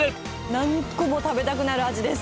何個も食べたくなる味です。